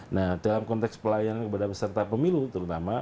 nah dalam konteks pelayanan kepada peserta pemilu terutama